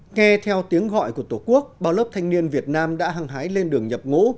nghe theo tiếng gọi của tổ quốc bao lớp thanh niên việt nam đã hăng hái lên đường nhập ngũ